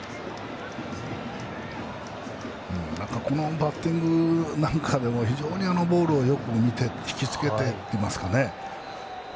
このバッティングでも非常にボールをよく見てひきつけていますね。